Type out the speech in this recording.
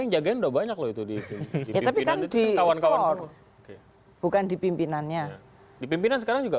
itu di sedikit tapi kami cintawan kawan kawan bukan di pimpinannya dipimpinan sekarang juga